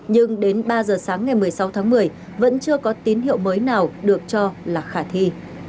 nhưng đến ba giờ sáng ngày một mươi sáu tháng một mươi vẫn chưa có tín hiệu mới nào được cho là khả thi